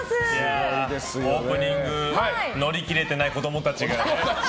オープニング乗り切れてない子供たちがね。